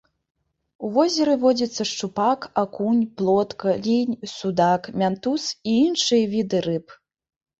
У возеры водзяцца шчупак, акунь, плотка, лінь, судак, мянтуз і іншыя віды рыб.